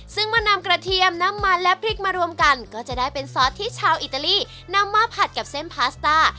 ซึ่งเมื่อนำกระเทียมน้ำมันและพริกมารวมกันก็จะได้เป็นซอสที่ชาวอิตาลีนำมาผัดกับเส้นพาสต้า